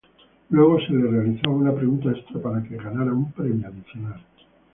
Luego se le realizaba una pregunta extra para que ganara un premio adicional.